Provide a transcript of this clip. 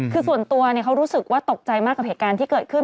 คือส่วนตัวเขารู้สึกว่าตกใจมากกับเหตุการณ์ที่เกิดขึ้น